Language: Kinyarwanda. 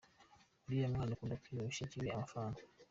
Uriya mwana akunda kwiba bashiki be amafaranga.